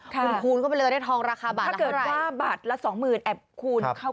คุณคูณก็เป็นเรื่องที่ได้ทองราคาบาทละเงินเท่าไหร่ถ้าเกิดว่าบาทละ๒๐๐๐๐แอบคูณคร่าว